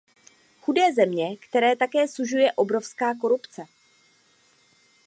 Chudé země, které také sužuje obrovská korupce.